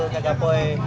gak ada poin